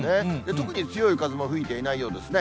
特に強い風も吹いていないようですね。